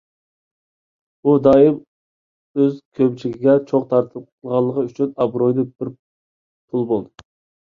ئۇ دائىم ئۆز كۆمىچىگە چوغ تارتقانلىقى ئۈچۈن، ئابرۇيى بىر پۇل بولدى.